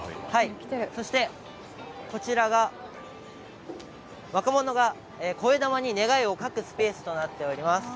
そしてこちらが、若者がこえだまに願いを書くスペースとなっております。